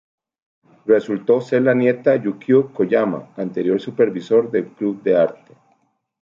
Resultó ser la nieta de Yukio Koyama, anterior supervisor del club de arte.